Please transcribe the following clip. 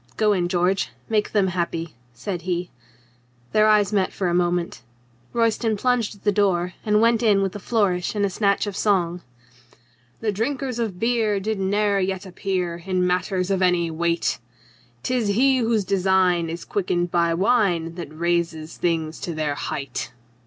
"Go in, George. Make them happy," said he. Their eyes met for a moment. Royston plunged at the door and went in with a flourish and a snatch of song. The drinkers of beer Did ne'er yet appear In matters of any weight ! 'Tis he whose design Is quickened by wine That raises things to their height.